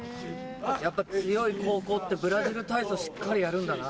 やっぱ強い高校ってブラジル体操しっかりやるんだな。